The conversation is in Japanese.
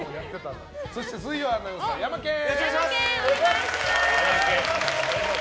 そして水曜アナウンサーヤマケン！